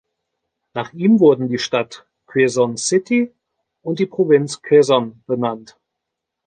Nach ihm wurden die Stadt Quezon City und die Provinz Quezon benannt.